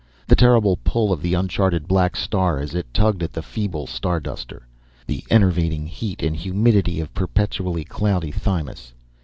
The terrible pull of the uncharted black star as it tugged at the feeble Starduster. The enervating heat and humidity of perpetually cloudy Thymis.